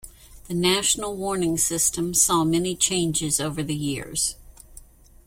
The national warning system saw many changes over the years.